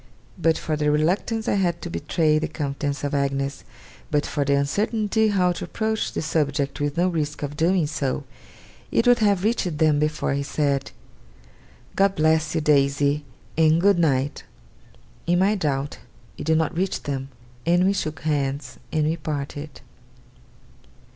But for the reluctance I had to betray the confidence of Agnes, but for my uncertainty how to approach the subject with no risk of doing so, it would have reached them before he said, 'God bless you, Daisy, and good night!' In my doubt, it did NOT reach them; and we shook hands, and we parted.